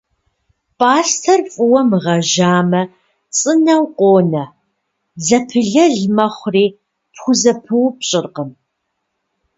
Пӏастэр фӏыуэ мыгъэжьамэ цӏынэу къонэ, зэпылэл мэхъури пхузэпыупщӏыркъым.